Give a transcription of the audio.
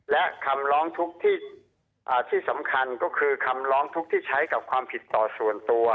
และคำร้องทุกข์ที่สำคัญก็คือคำร้องทุกข์ที่ใช้กับความผิดต่อส่วนตัว